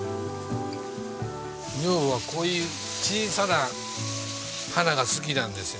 女房がこういう小さな花が好きなんですよ。